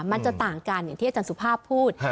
มันจะต่างกันอย่างที่อาจารย์สุภาพพูด